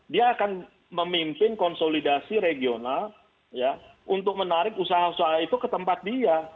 dia akan memimpin konsolidasi regional untuk menarik usaha usaha itu ke tempat dia